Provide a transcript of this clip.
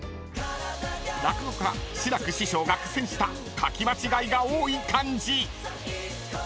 ［落語家志らく師匠が苦戦した書き間違いが多い漢字］